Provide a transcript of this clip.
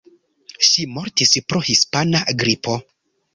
Ŝi mortis pro hispana gripo.